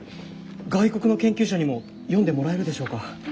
外国の研究者にも読んでもらえるでしょうか？